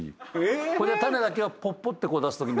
これで種だけをポッポッて出すとき。